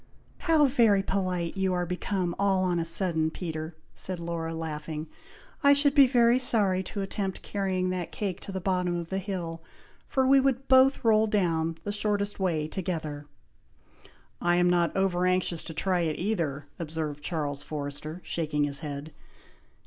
"How very polite you are become all on a sudden, Peter!" said Laura, laughing. "I should be very sorry to attempt carrying that cake to the bottom of the hill, for we would both roll down, the shortest way, together." "I am not over anxious to try it either," observed Charles Forrester, shaking his head.